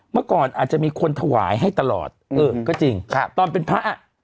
เมื่อก่อนอาจจะมีคนถวายให้ตลอดอื้อก็จริงตอนเป็นพระ